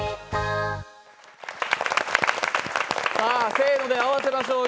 「せーの！で合わせましょう」